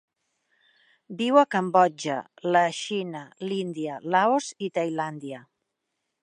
Viu a Cambodja, la Xina l'Índia, Laos i Tailàndia.